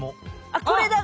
あっこれだ！